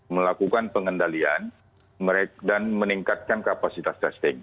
melakukan pengendalian dan meningkatkan kapasitas testing